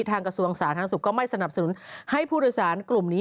ทางกระทรวงศาสตร์ทางศุกรรมก็ไม่สนับสนุนให้ผู้โดยสารกลุ่มนี้